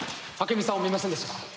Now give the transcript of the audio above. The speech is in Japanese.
朱美さんを見ませんでしたか？